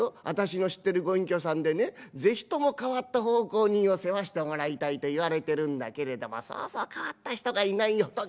私の知ってるご隠居さんでね是非とも変わった奉公人を世話してもらいたいと言われてるんだけれどもそうそう変わった人がいないよ。